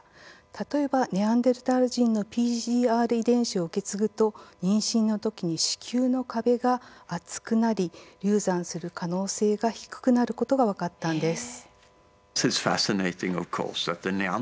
例えば、ネアンデルタール人のＰＧＲ遺伝子を受け継ぐと妊娠の時に、子宮の壁が厚くなり流産する可能性が低くなることが分かったんです。